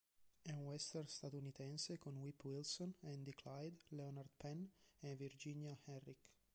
È un western statunitense con Whip Wilson, Andy Clyde, Leonard Penn e Virginia Herrick.